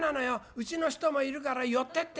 うちの人もいるから寄ってって』。